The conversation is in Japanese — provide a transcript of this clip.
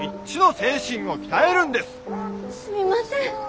すみません。